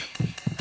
あ。